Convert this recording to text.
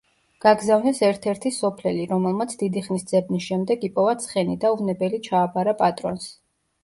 გაგზავნეს ერთ-ერთი სოფლელი, რომელმაც დიდი ხნის ძებნის შემდეგ იპოვა ცხენი და უვნებელი ჩააბარა პატრონს.